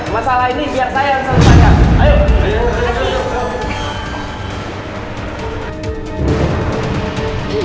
masalah ini biar saya selesaikan ayo